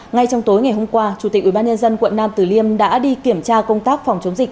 ngay trong tối ngày hôm qua chủ tịch ubnd quận nam tử liêm đã đi kiểm tra công tác phòng chống dịch